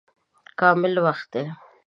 کامل وخت دی.